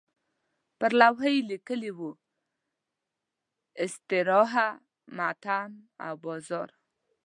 پر لوحه یې لیکلي وو استراحه، مطعم او بازار.